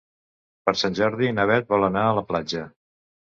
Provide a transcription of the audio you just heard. Per Sant Jordi na Beth vol anar a la platja.